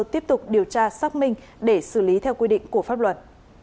tiếp tục điều tra xác minh để xử lý theo quy định của pháp luật